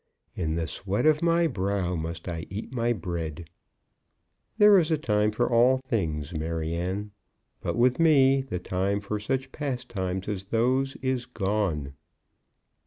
In the sweat of my brow must I eat my bread. There is a time for all things, Maryanne; but with me the time for such pastimes as those is gone."